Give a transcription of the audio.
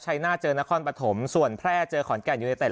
ชัยหน้าเจอน้าคลอนปฐมส่วนแพร่เจอขอนแก่นยูนิเต็ด